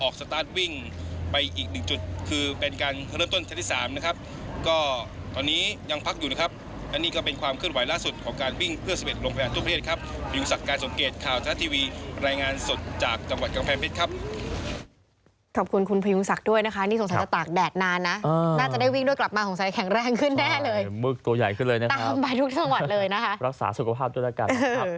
การเริ่มต้นเทป๓นะครับก็ตอนนี้ยังพักอยู่นะครับอันนี้ก็เป็นความเคลื่อนไหวล่าสุดของการวิ่งเพื่อเสพ็ดโรงพยาบาลทั่วประเทศครับพยุงศักดิ์การสงเกตข่าวท้าทาทีวีรายงานสดจากจังหวัดกำแพงเพชรครับ